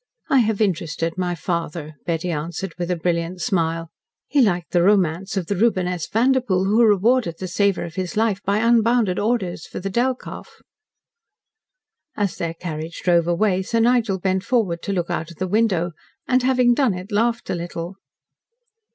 "I have interested my father," Betty answered, with a brilliant smile. "He liked the romance of the Reuben S. Vanderpoel who rewarded the saver of his life by unbounded orders for the Delkoff." ..... As their carriage drove away, Sir Nigel bent forward to look out of the window, and having done it, laughed a little.